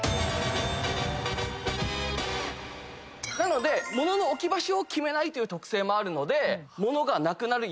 なので物の置き場所を決めないという特性もあるので物がなくなる。